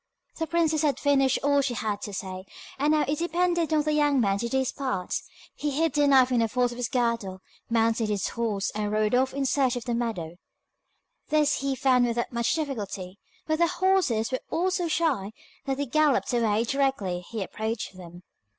The princess had finished all she had to say, and now it depended on the young man to do his part. He hid the knife in the folds of his girdle, mounted his horse, and rode off in search of the meadow. This he found without much difficulty, but the horses were all so shy that they galloped away directly he approached them.